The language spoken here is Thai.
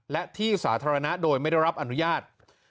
และที่สาธารณะโดยไม่ได้รับอนุญาต